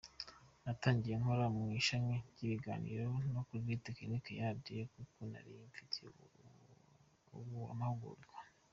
Natangiye nkora mu ishami ry’ibiganiro no kuri technique ya radio kuko narinyifitiye amahugurwa.